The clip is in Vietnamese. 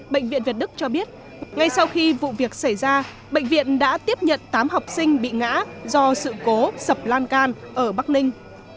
bệnh viện việt đức cho biết ngay sau khi vụ việc xảy ra bệnh viện đã tiếp nhận tám học sinh bị ngã do sự cố sập lan can ở bắc ninh